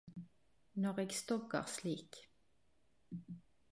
Når eg stoggar slik